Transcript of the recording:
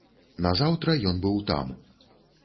Назаўтра ён быў там.